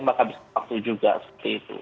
maka bisa waktu juga seperti itu